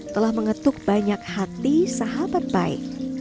telah mengetuk banyak hati sahabat baik